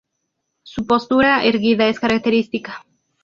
Su postura erguida es característica.